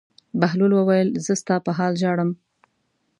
بهلول وویل: زه ستا په حال ژاړم.